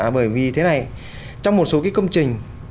bởi vì thế này trong một số cái công trình